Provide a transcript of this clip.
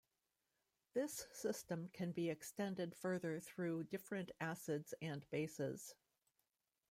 This system can be extended further through different acids and bases.